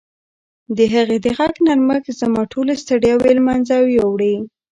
د هغې د غږ نرمښت زما ټولې ستړیاوې له منځه یووړې.